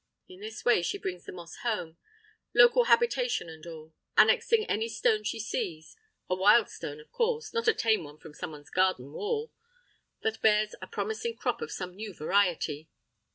In this way she brings the moss home, local habitation and all, annexing any stone she sees (a wild stone, of course, not a tame one from someone's garden wall) that bears a promising crop of some new variety.